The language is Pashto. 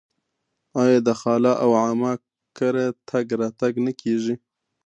آیا د خاله او عمه کره تګ راتګ نه کیږي؟